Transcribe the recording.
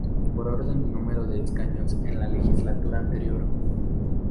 Por orden de número de escaños en la legislatura anterior.